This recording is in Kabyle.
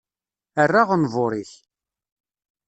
Err aɣenbur-ik.